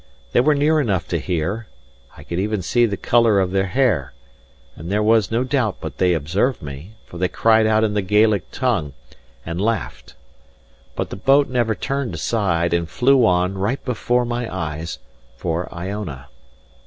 They were near enough to hear I could even see the colour of their hair; and there was no doubt but they observed me, for they cried out in the Gaelic tongue, and laughed. But the boat never turned aside, and flew on, right before my eyes, for Iona.